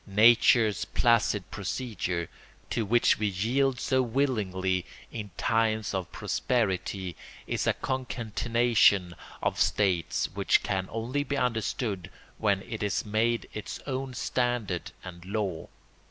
Nature's placid procedure, to which we yield so willingly in times of prosperity, is a concatenation of states which can only be understood when it is made its own standard and law.